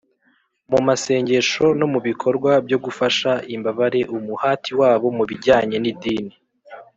mu masengesho no mu bikorwa byo gufasha imbabare umuhati wabo mu bijyanye n’idini